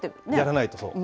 やらないと、そう。